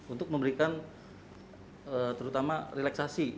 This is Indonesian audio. untuk memberikan terutama relaksasi